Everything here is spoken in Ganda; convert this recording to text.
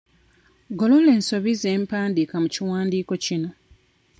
Golola ensobi z'empandiika mu kiwandiiko kino.